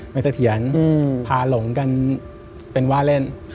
เสถียรพาหลงกันเป็นว่าเล่น